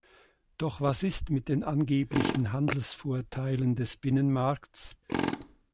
Doch was ist mit den angeblichen Handelsvorteilen des Binnenmarkts?